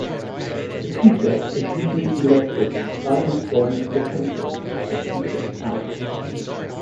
The prefect is usually elected by and from the council by secret ballot.